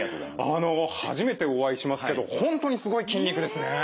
あの初めてお会いしますけど本当にすごい筋肉ですね。